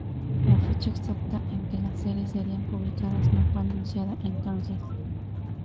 La fecha exacta en que la serie sería publicada no fue anunciada entonces.